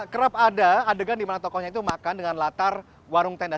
kerap ada adegan di mana tokohnya itu makan dengan latar warung tenda